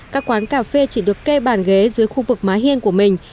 các quán cà phê chỉ được kê bàn ghế dưới khu vực má hiên của mình